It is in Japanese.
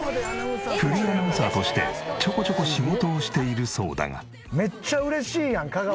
フリーアナウンサーとしてちょこちょこ仕事をしているそうだが。